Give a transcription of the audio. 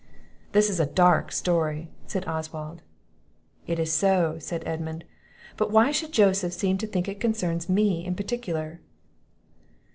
"This is a dark story," said Oswald. "It is so," said Edmund; "but why should Joseph seem to think it concerns me in particular?"